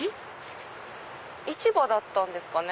市場だったんですかね